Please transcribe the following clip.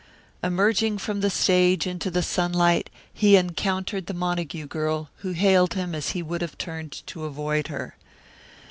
Emerging from the stage into the sunlight he encountered the Montague girl who hailed him as he would have turned to avoid her.